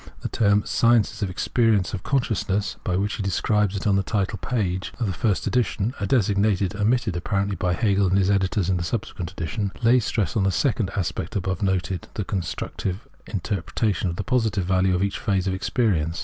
The term " Science of the Experience of Con sciousness," by which he described it on the title page of the first edition (a designation omitted, apparently, by Hegel and his editors in the subsequent edition), lays stress on the second aspect above noted — the constructive interpretation of the positive value of each phase of experience.